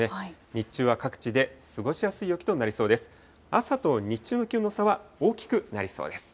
日中は各地で過ごしやすい陽気となりそうです。